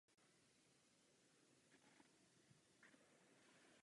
Z vody pak vystupují tyto ženy jako mladé a krásné.